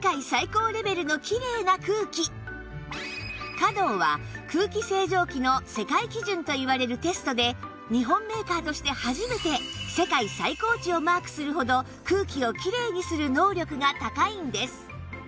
ｃａｄｏ は空気清浄機の世界基準といわれるテストで日本メーカーとして初めて世界最高値をマークするほど空気をきれいにする能力が高いんです